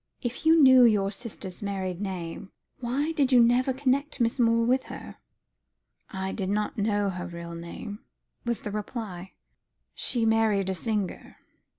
If you knew your sister's married name, why did you never connect Miss Moore with her?" "I did not know her real name," was the reply; "she married a singer.